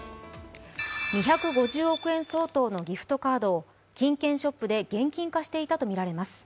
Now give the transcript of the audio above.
２５０億円相当のギフトカードを金券ショップで現金化していたとみられます。